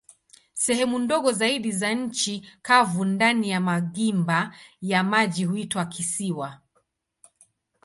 Sehemu ndogo zaidi za nchi kavu ndani ya magimba ya maji huitwa kisiwa.